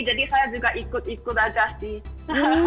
jadi saya juga ikut ikut aja sih